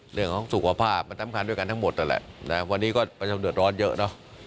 เรื่องของสุขภาพมันตำคาญด้วยกันทั้งหมดนั่นแหละวันนี้ก็ด่วนร้อนเยอะเนาะ